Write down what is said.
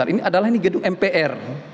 ini adalah gedung mpr